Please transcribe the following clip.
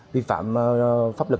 vi phạm pháp luật